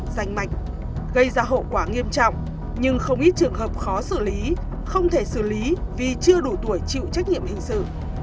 dành mạch gây ra hậu quả nghiêm trọng nhưng không ít trường hợp khó xử lý không thể xử lý vì chưa đủ tuổi chịu trách nhiệm hình sự